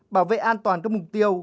bảo vệ an toàn các mục tiêu